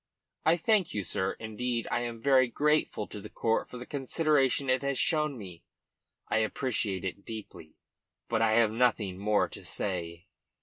"I thank you, sir. Indeed, I am very grateful to the court for the consideration it has shown me. I appreciate it deeply, but I have nothing more to say."